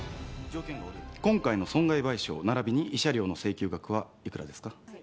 今回の損害賠償並びに慰謝料の請求額はいくらですか？